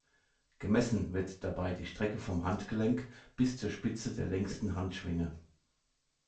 Gemessen wird dabei die Strecke vom Handgelenk bis zur Spitze der längsten Handschwinge.